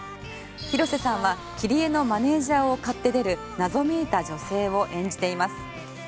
広瀬さんはキリエのマネージャーを買って出る謎めいた女性を演じています。